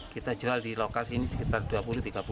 kita jual di lokal sini sekitar rp dua puluh rp tiga puluh